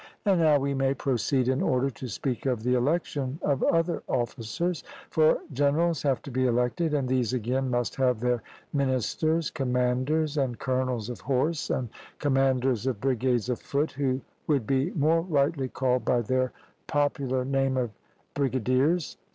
And now we may proceed in order to speak of the election of other officers; for generals have to be elected, and these again must have their ministers, commanders, and colonels of horse, and commanders of brigades of foot, who would be more rightly called by their popular name of brigadiers.